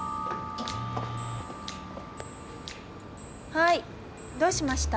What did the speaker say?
はいどうしました？